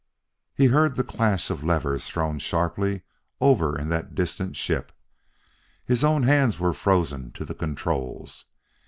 He heard the clash of levers thrown sharply over in that distant ship; his own hands were frozen to the controls.